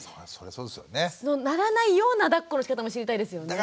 そうならないようなだっこのしかたも知りたいですよね。